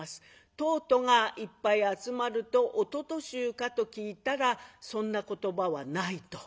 とうとがいっぱい集まるとおとと衆かと聞いたらそんな言葉はないと。